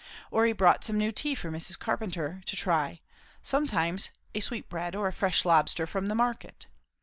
Or he brought some new tea for Mrs. Carpenter to try; sometimes a sweetbread, or a fresh lobster, from the market.